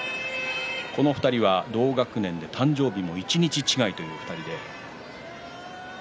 この２人は同学年で誕生日も一日違いという２人です。